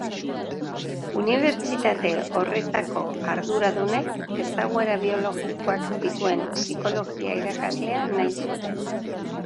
Unibertsitate horretako arduradunek ezaguera biologikoak zituen psikologia irakaslea nahi zuten.